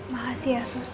makasih ya sus